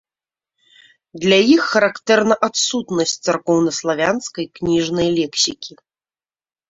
Для іх характэрна адсутнасць царкоўнаславянскай кніжнай лексікі.